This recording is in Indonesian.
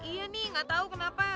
iya nih gak tahu kenapa